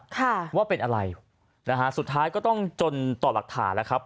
ค่ะว่าเป็นอะไรนะฮะสุดท้ายก็ต้องจนต่อหลักฐานแล้วครับ